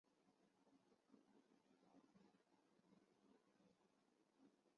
二籽薹草是莎草科薹草属的植物。